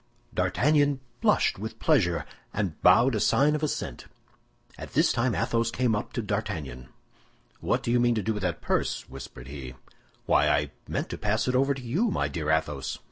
D'Artagnan blushed with pleasure, and bowed a sign of assent. At this time Athos came up to D'Artagnan. "What do you mean to do with that purse?" whispered he. "Why, I meant to pass it over to you, my dear Athos."